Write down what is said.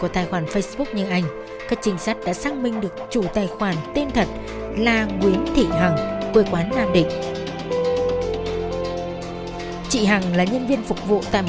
điểm khiến các trình sát đặc biệt lưu tâm